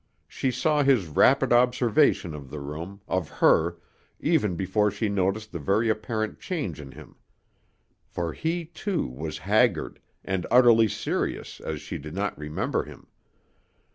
She saw his rapid observation of the room, of her, even before she noticed the very apparent change in him. For he, too, was haggard and utterly serious as she did not remember him.